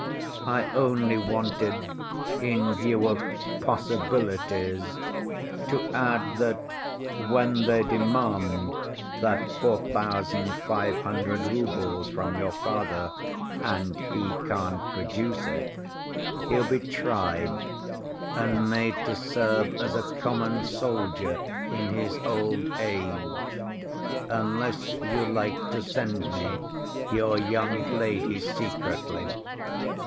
I only wanted, in view of "possibilities," to add, that when they demand that 4,500 roubles from your father, and he can't produce it, he'll be tried, and made to serve as a common soldier in his old age, unless you like to send me your young lady secretly.